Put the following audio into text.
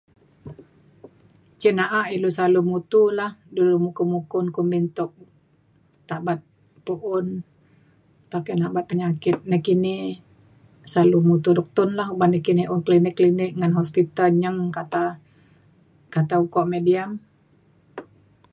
cen na'a ilu selalu mutu la dulu mukun-mukun kumin tok tabat pu'un pakai nabat penyakit nakini. selalu mutu duktun la oban kini un klinik klinik ngan hopsital nyeng kata kata ukok mik diam.